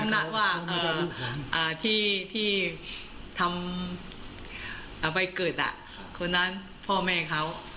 เขาคำนัดว่าที่ทำอะไรเกิดคนนั้นพ่อแม่เขา